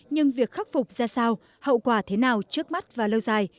nhưng việc khắc phục ra sao hậu quả thế nào trước mắt và lâu dài